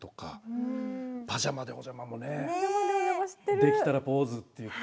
できたらポーズって言って。